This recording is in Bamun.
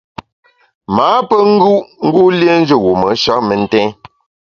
M’â pe ngù u ngu lienjù wume sha mentèn.